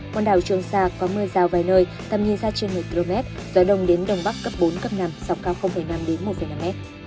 quần đảo trường sa có mưa rào vài nơi tầm nhìn xa trên một mươi km gió đông đến đông bắc cấp bốn cấp năm sau cao năm đến một năm m